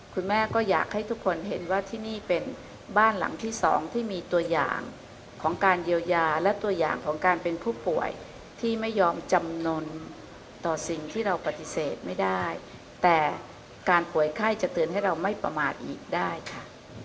คุณแม่ก็อยากให้ทุกคนเห็นว่าที่นี่เป็นบ้านหลังที่สองที่มีตัวอย่างของการเยียวยาและตัวอย่างของการเป็นผู้ป่วยที่ไม่ยอมจำนวนต่อสิ่งที่เราปฏิเสธไม่ได้แต่การป่วยไข้จะเตือนให้เราไม่ประมาทอีกได้ค่ะ